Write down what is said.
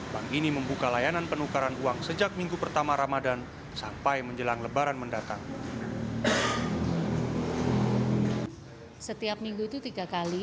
bank ini membuka layanan penukaran uang sejak minggu pertama ramadan sampai menjelang lebaran mendatang